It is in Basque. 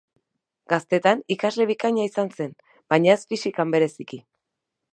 Gaztetan ikasle bikaina izan zen, baina ez fisikan bereziki.